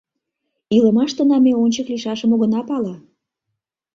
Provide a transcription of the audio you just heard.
Илымаштына ме ончык лийшашым огына пале.